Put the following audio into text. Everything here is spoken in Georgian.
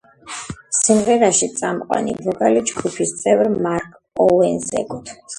სიმღერაში წამყვანი ვოკალი ჯგუფის წევრ მარკ ოუენს ეკუთვნის.